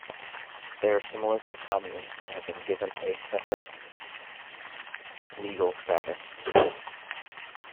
They are similar to communes, but have been given a separate legal status.